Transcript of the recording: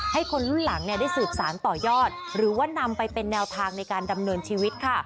คนรุ่นหลังได้สืบสารต่อยอดหรือว่านำไปเป็นแนวทางในการดำเนินชีวิตค่ะ